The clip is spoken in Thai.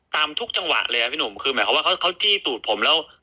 ทุกจังหวะเลยอ่ะพี่หนุ่มคือหมายความว่าเขาจี้ตูดผมแล้ว